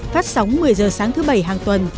phát sóng một mươi h sáng thứ bảy hàng tuần